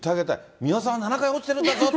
三輪さんは７回落ちてるんだぞっ